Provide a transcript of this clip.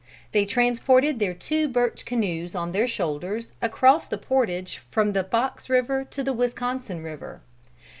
They transported their two birch canoes on their shoulders across the portage from the Fox River to the Wisconsin river.